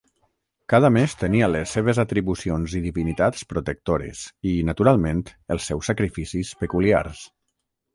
Cada mes tenia les seves atribucions i divinitats protectores i, naturalment, els seus sacrificis peculiars.